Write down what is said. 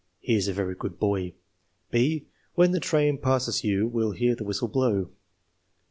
He is a very good boy. 39 (b) "When the train passes you will hear the whistle blow."